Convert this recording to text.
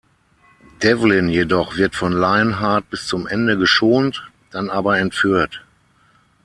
Devlin jedoch wird von Lionheart bis zum Ende geschont, dann aber entführt.